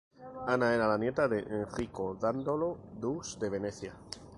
Ana era la nieta de Enrico Dandolo, dux de Venecia.